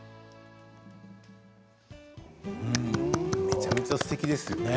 めちゃめちゃすてきですよね。